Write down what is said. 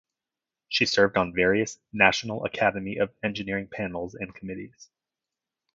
She served on various National Academy of Engineering panels and committees.